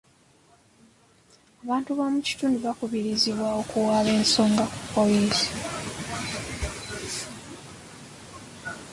Abantu b'omu kitundu bakubirizibwa okuwaaba ensonga ku poliisi.